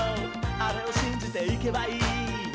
あれをしんじていけばいい」